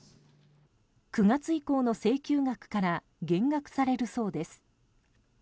９月以降の請求額から減額されるそうです。